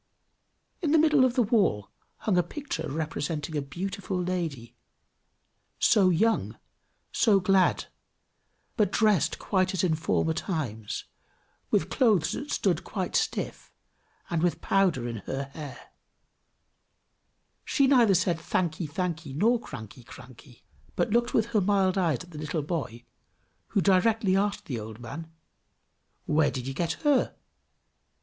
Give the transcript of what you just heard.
In the middle of the wall hung a picture representing a beautiful lady, so young, so glad, but dressed quite as in former times, with clothes that stood quite stiff, and with powder in her hair; she neither said "thankee, thankee!" nor "cranky, cranky!" but looked with her mild eyes at the little boy, who directly asked the old man, "Where did you get her?"